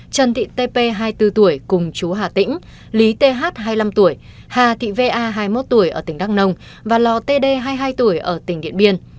chân thị tp hai mươi bốn tuổi cùng chú hà tĩnh lý th hai mươi năm tuổi hà thị va hai mươi một tuổi ở tỉnh đăng nông và lò td hai mươi hai tuổi ở tỉnh điện biên